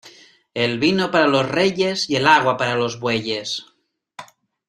El vino para los reyes y el agua para los bueyes.